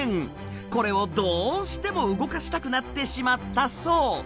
これをどうしても動かしたくなってしまったそう。